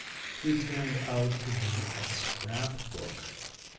He turned out to be a scrap book.